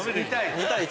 ２対１。